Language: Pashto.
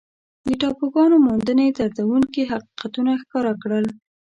د ټاپوګانو موندنې دردونکي حقیقتونه ښکاره کړل.